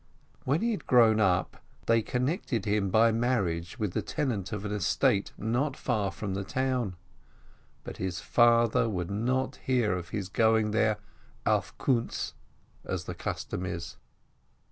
When he had grown up, they connected him by marriage with the tenant of an estate not far from the town, but his father would not hear of his going there "auf Kost," THE MISFORTUNE 15 as the custom is.